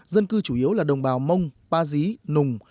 dân cư chủ yếu là đồng bào mông ba dí nùng